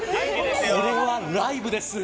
これはライブです。